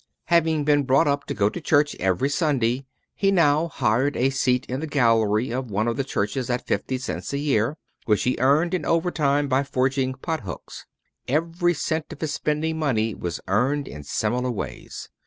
Having been brought up to go to church every Sunday, he now hired a seat in the gallery of one of the churches at fifty cents a year, which he earned in over time by forging pot hooks. Every cent of his spending money was earned in similar ways.